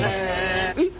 えっ？